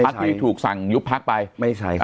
พักที่ถูกสั่งยุบพักไป